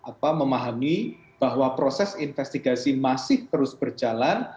kita harus memahami bahwa proses investigasi masih terus berjalan